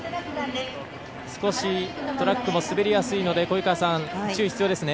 少しトラックも滑りやすいので注意、必要ですね。